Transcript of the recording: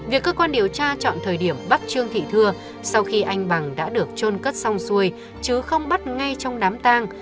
việc cơ quan điều tra chọn thời điểm bắt trương thị thưa sau khi anh bằng đã được trôn cất xong xuôi chứ không bắt ngay trong đám tang